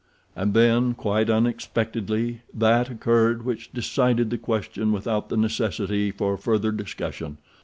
And then, quite unexpectedly, that occurred which decided the question without the necessity for further discussion.